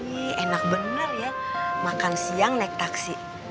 ini enak bener ya makan siang naik taksi